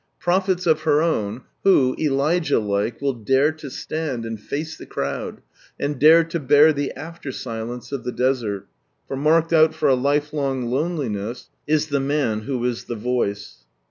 Prophets of her own, who, Elijah like, will dare to stand and face the crowd, and dare to bear the after silence of the desert; for marked out for a life long loneliness is the man who is "the Voice."